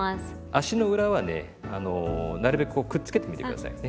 足の裏はねなるべくこうくっつけてみて下さいね。